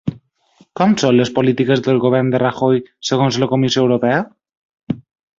Com són les polítiques del govern de Rajoy segons la Comissió Europea?